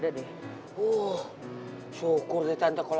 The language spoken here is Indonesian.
saya udah khawatir banget tante dari tadi cari kabar meli